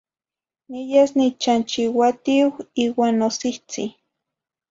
Niyas nichanchiuatiuh iuan nosihtzi.